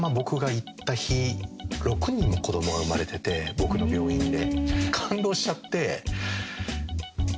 僕の病院で。